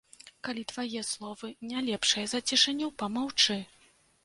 Калі твае словы не лепшыя за цішыню, памаўчы.